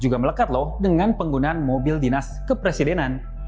juga melekat loh dengan penggunaan mobil dinas kepresidenan